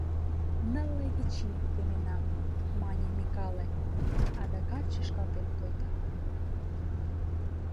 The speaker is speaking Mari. — Нылле вич ийым теменам, — мане Микале, адакат шӱшкалтен колта.